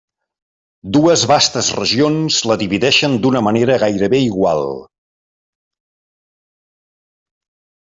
Dues vastes regions la divideixen d'una manera gairebé igual.